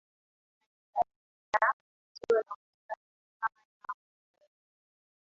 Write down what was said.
Alikadiria hatua za kutoka aliposimama hadi mapokezi ya hoteli hiyo